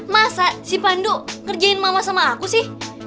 masa si pandu kerjain mama sama aku sih